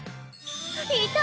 いた！